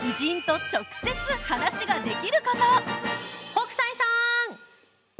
北斎さん！